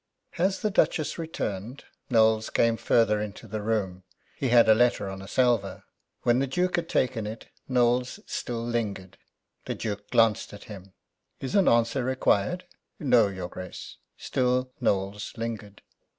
"Has the Duchess returned?" Knowles came further into the room. He had a letter on a salver. When the Duke had taken it, Knowles still lingered. The Duke glanced at him. "Is an answer required?" "No, your Grace." Still Knowles lingered.